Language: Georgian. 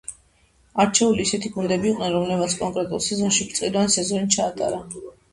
არჩეული ისეთი გუნდები იყვნენ, რომლებმაც კონკრეტულ სეზონში ბრწყინვალე სეზონი ჩაატარა.